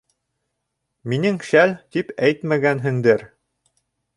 — Минең шәл, тип әйтмәгәнһеңдер?